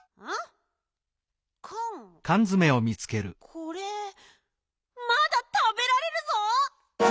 これまだたべられるぞ！